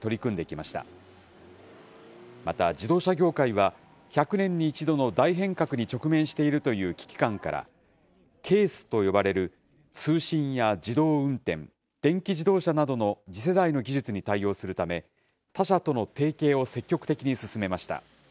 また自動車業界は、１００年に一度の大変革に直面しているという危機感から、ＣＡＳＥと呼ばれる通信や自動運転、電気自動車などの次世代の技術に対応するため、他社との提携を積極的に進めました。